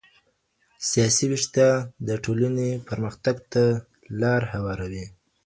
سياسي ويښتيا د ټولني پرمختګ ته لار هواروي.